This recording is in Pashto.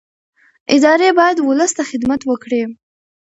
ادارې باید ولس ته خدمت وکړي